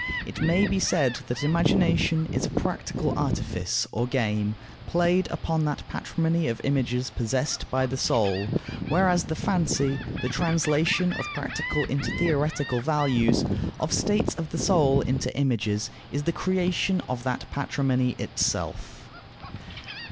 It may be said that imagination is a practical artifice or game, played upon that patrimony of images possessed by the soul; whereas the fancy, the translation of practical into theoretical values, of states of the soul into images, is the creation of that patrimony itself.